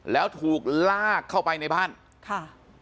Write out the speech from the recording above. แล้วถูกลากเข้าไปในบ้านค่ะ